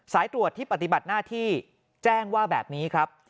สายตรวจที่ปฏิบัติหน้าที่แจ้งว่าแบบนี้ครับ